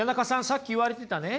さっき言われてたね